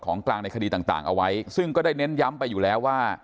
กลางในคดีต่างเอาไว้ซึ่งก็ได้เน้นย้ำไปอยู่แล้วว่า